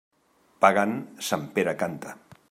Pagant, sant Pere canta.